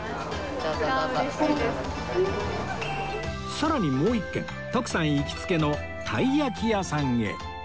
さらにもう１軒徳さん行きつけのたいやき屋さんへ